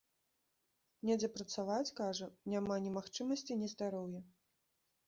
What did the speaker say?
Недзе працаваць, кажа, няма ні магчымасці, ні здароўя.